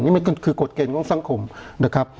นี่มันก็คือกฎเกณฑ์ของสังคมนะครับ